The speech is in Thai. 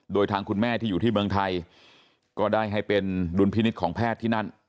โดยทางคุณแม่ที่อยู่ที่เมืองไทยก็ได้ให้เป็นดุลพินิษฐ์ของแพทย์ที่นั่น